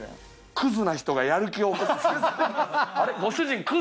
『クズな人がやる気を起こす心理』。